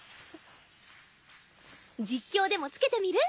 実況でも付けてみる？